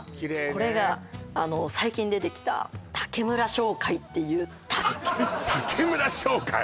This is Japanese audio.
これが最近出てきた竹村商会っていう竹竹村商会！